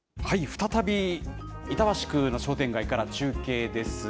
再び板橋区の商店街から中継です。